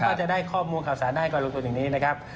ถ้าจะได้ข้อมูลข่าวสารได้ก็ลงทุนอย่างนี้นะครับ